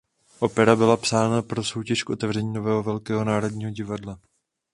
Opera byla psána pro soutěž k otevření nového velkého Národního divadla.